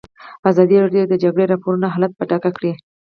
ازادي راډیو د د جګړې راپورونه حالت په ډاګه کړی.